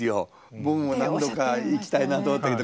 僕も何度か行きたいなと思ったけど。